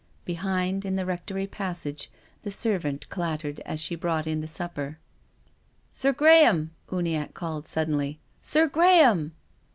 Be hind, in the rectory passage, the servant clattered as she brought in the supper. " Sir Graham !" Uniacke called suddenly. " Sir Graham